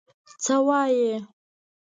څه وايې؟